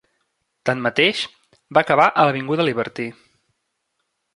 Tanmateix, va acabar a l'avinguda Liberty.